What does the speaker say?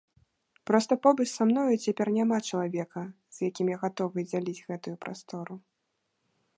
Проста побач са мной цяпер няма чалавека, з якім я гатовы дзяліць гэтую прастору.